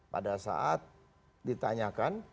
pada saat ditanyakan